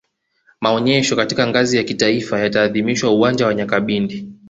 maonyesho katika ngazi ya kitaifa yataadhimishwa uwanja wa nyakabindi